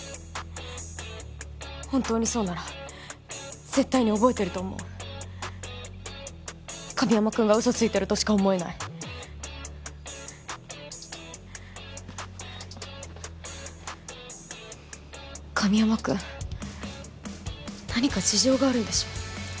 本当にそうなら絶対に覚えてると思う神山くんがウソついてるとしか思えない神山くん何か事情があるんでしょ？